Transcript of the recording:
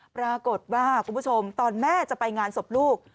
ปรากฏว่าคุณผู้ชมตอนแม่จะไปงานศพลูก